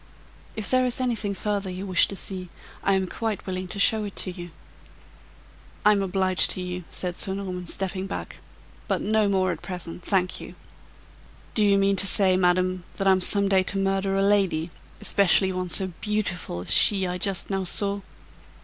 If there is anything further you wish to see, I am quite willing to show it to you." "I'm obliged to you," said Sir Norman, stepping back; "but no more at present, thank you. Do you mean to say, madam, that I'm some day to murder a lady, especially one so beautiful as she I just now saw?"